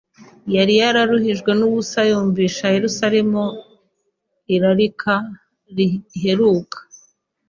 Yari yaruhijwe n'ubusa yumvisha Yerusalemu irarika riheruka.